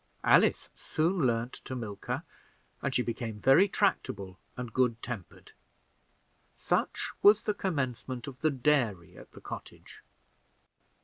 Alice soon learned to milk her, and she became very tractable and good tempered. Such was the commencement of the dairy at the cottage.